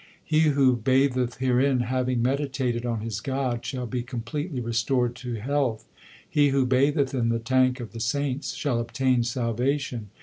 He who batheth herein, having meditated on his God, Shall be completely restored to health. He who batheth in the tank of the saints Shall obtain salvation.